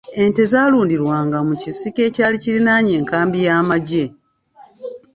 Ente zaalundirwanga mu kisiko ekyali kiriraanye enkambi y'amagye.